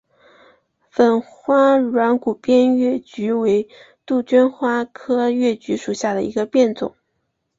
粉花软骨边越桔为杜鹃花科越桔属下的一个变种。